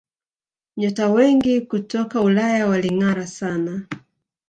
nyota wengi kutoka Ulaya walingara sana